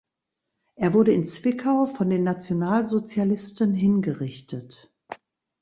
Er wurde in Zwickau von den Nationalsozialisten hingerichtet.